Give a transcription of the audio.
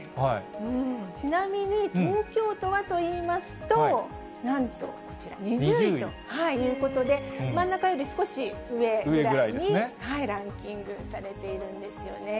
ちなみに東京都はといいますと、なんとこちら、２０位ということで、真ん中より少し上ぐらいにランキングされているんですよね。